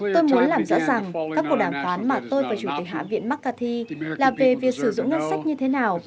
tôi muốn làm rõ rằng các cuộc đàm phán mà tôi và chủ tịch hạ viện mắc cà thi là về việc sử dụng ngân sách như thế nào